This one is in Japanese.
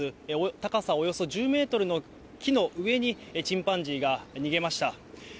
高さおよそ１０メートルの木の上に、チンパンジーが逃げました。